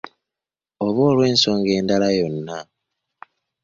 Oba olw’ensonga endala yonna.